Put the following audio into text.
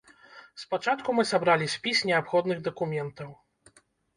Спачатку мы сабралі спіс неабходных дакументаў.